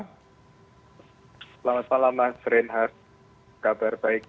selamat malam mas reinhardt kabar baik